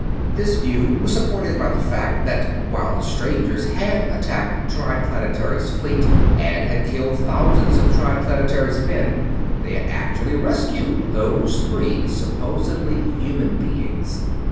This view was supported by the fact that while the strangers had attacked Triplanetary's fleet and had killed thousands of Triplanetary's men, they had actually rescued those three supposedly human beings.